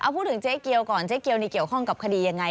พูดถึงเจ๊เกียวก่อนเจ๊เกียวนี่เกี่ยวข้องกับคดียังไง